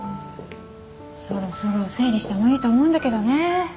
そろそろ整理してもいいと思うんだけどね。